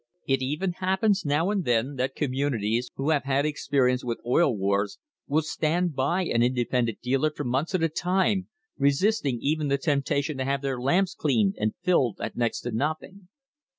It even happens now and then that communities who have had experience with "Oil Wars" will stand by an independent dealer for months at a time, resisting even the temptation to have their lamps cleaned and filled at next to nothing.